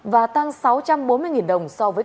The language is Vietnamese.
và tăng sáu trăm bốn mươi đồng so với